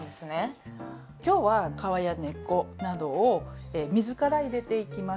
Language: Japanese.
今日は皮や根っこなどを水から入れていきます。